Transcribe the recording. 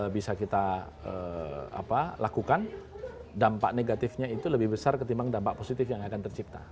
bisa kita lakukan dampak negatifnya itu lebih besar ketimbang dampak positif yang akan tercipta